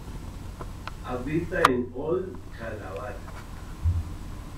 Habita en Old Calabar.